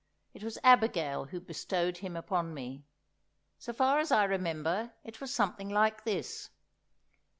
It was Abigail who bestowed him upon me. So far as I remember, it was something like this.